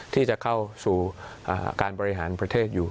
ที่จะเข้าสู่การบริหารประเทศอยู่